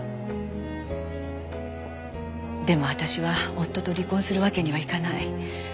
でも私は夫と離婚するわけにはいかない。